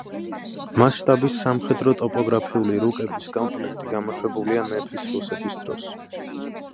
მასშტაბის სამხედრო-ტოპოგრაფიული რუკების კომპლექტი, გამოშვებული მეფის რუსეთის დროს.